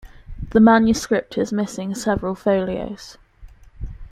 The manuscript is missing several folios.